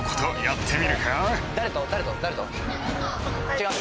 違う？